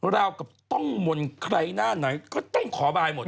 ราวกับต้องมนต์ใครหน้าไหนก็ต้องขอบายหมด